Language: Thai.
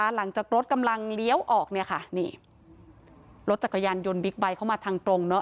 หลังจากรถกำลังเลี้ยวออกเนี่ยค่ะนี่รถจักรยานยนต์บิ๊กไบท์เข้ามาทางตรงเนอะ